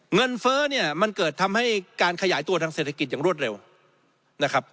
เฟ้อเนี่ยมันเกิดทำให้การขยายตัวทางเศรษฐกิจอย่างรวดเร็วนะครับ